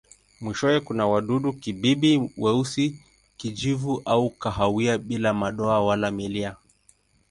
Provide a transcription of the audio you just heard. Mwishowe kuna wadudu-kibibi weusi, kijivu au kahawia bila madoa wala milia.